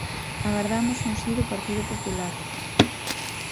Agardamos un si do Partido Popular.